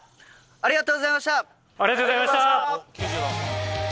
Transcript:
ありがとうございます。